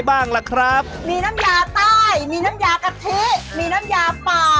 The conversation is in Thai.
แบบนี้ไข่นี้๑๐บาทจะมีลูกชิ้นลิบ๔นับจะฮะ